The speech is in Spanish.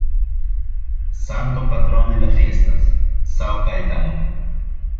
Santo patrón de las fiestas: Sao Caetano